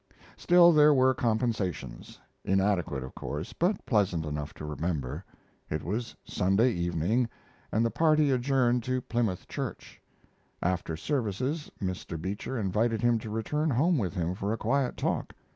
Still there were compensations; inadequate, of course, but pleasant enough to remember. It was Sunday evening and the party adjourned to Plymouth Church. After services Mr. Beecher invited him to return home with him for a quiet talk.